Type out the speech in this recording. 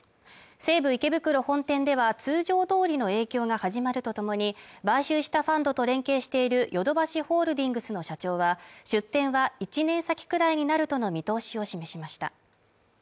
西武池袋本店では通常どおりの影響が始まるとともに買収したファンドと連携しているヨドバシホールディングスの社長は出店は１年先くらいになるとの見通しを示しました